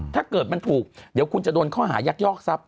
ถ้าเกิดมันถูกเดี๋ยวคุณจะโดนข้อหายักยอกทรัพย